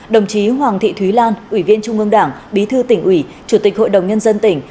đồng chí hoàng thị thúy lan ủy viên trung ương đảng bí thư tỉnh ủy chủ tịch hội đồng nhân dân tỉnh